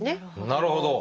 なるほど！